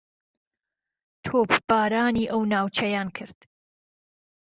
تۆپبارانی ئەو ناوچەیان کرد